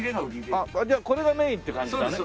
あっじゃあこれがメインって感じだね。